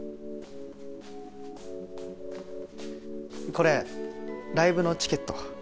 これライブのチケット。